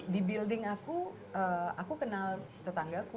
di building aku aku kenal tetangga ku